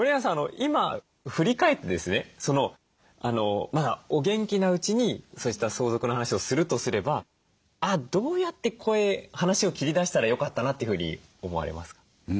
今振り返ってですねお元気なうちにそうした相続の話をするとすればどうやって話を切り出したらよかったなというふうに思われますか？